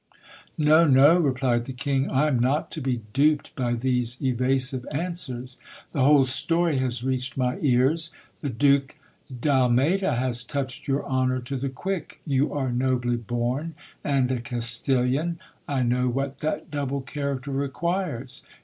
No, no, replied the King, I am not to be duped by these evasive answers. The whole story has reached my ears. The Duke d'Almeyda has touched your honour to the quick. You are nobly bom, and a Castilian : I know what that double character requires.